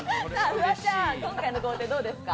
フワちゃん、今回の豪邸どうですか？